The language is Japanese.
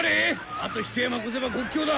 あとひと山越せば国境だ！